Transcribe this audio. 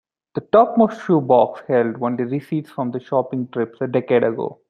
The topmost shoe box held only receipts from shopping trips a decade ago.